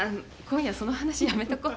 今夜その話やめとこ。